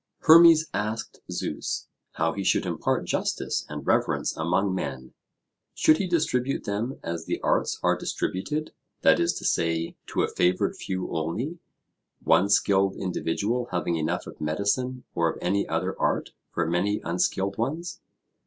Hermes asked Zeus how he should impart justice and reverence among men: Should he distribute them as the arts are distributed; that is to say, to a favoured few only, one skilled individual having enough of medicine or of any other art for many unskilled ones?